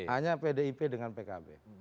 hanya pdip dengan pkb